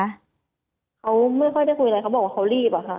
เขาไม่ค่อยได้คุยอะไรเขาบอกว่าเขารีบอะค่ะ